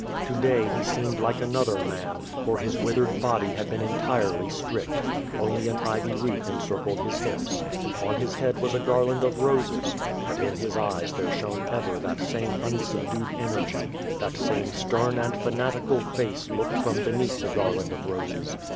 To day he seemed like another man, for his withered body had been entirely stripped. Only an ivy wreath encircled his hips. On his head was a garland of roses. But in his eyes there shone QUO V AD I Si. 4^7 ever that same unsubdued energy; tliat same stern and fanati cal face looked from beneath the garland of roses.